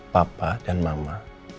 papa dan mama